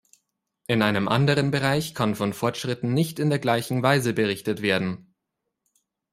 In einem anderen Bereich kann von Fortschritten nicht in der gleichen Weise berichtet werden.